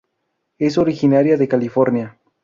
Es originaria de California.